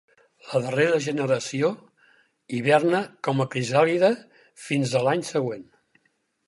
La darrera generació hiverna com a crisàlide fins a l'any següent.